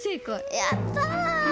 やった！